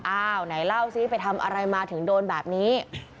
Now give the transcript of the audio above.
อ้าวไหนเล่าซิไปทำอะไรมาถึงโดนแบบนี้